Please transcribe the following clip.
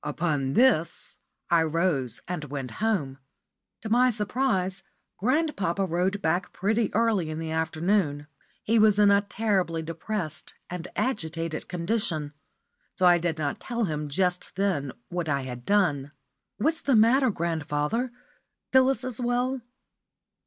Upon this I rose and came home. To my surprise, grandpapa rowed back pretty early in the afternoon. He was in a terribly depressed and agitated condition, so I did not tell him just then what I had clone. "What's the matter, grandfather? Phyllis is well?"